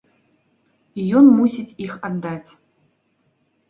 І ён мусіць іх аддаць.